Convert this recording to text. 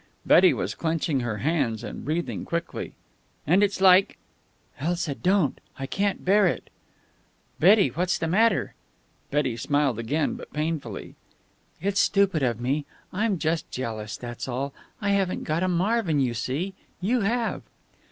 Betty was clenching her hands, and breathing quickly. "And it's like " "Elsa, don't! I can't bear it!" "Betty! What's the matter?" Betty smiled again, but painfully. "It's stupid of me. I'm just jealous, that's all. I haven't got a Marvin, you see. You have."